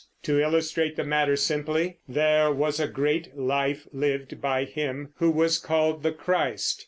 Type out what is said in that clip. To illustrate the matter simply, there was a great life lived by him who was called the Christ.